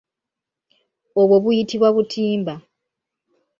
Obwo buyitibwa butimba.